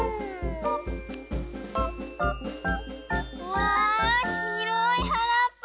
わあひろいはらっぱ。